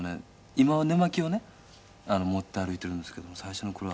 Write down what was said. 今は寝間着をね持って歩いてるんですけども最初の頃は。